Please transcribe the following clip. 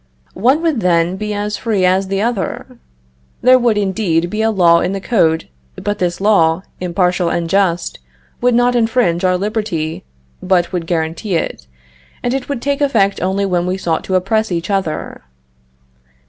One would then be as free as the other. There would, indeed, be a law in the code, but this law, impartial and just, would not infringe our liberty, but would guarantee it, and it would take effect only when we sought to oppress each other.